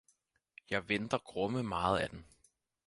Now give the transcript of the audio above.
Jeg venter grumme meget af den